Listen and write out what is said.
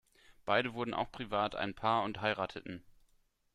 Beide wurden auch privat ein Paar und heirateten.